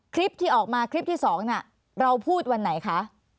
คลิปที่ออกมาคลิปที่๒น่ะเราพูดวันไหนคะ